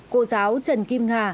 cô giáo trần kim hà